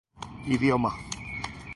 Idioma: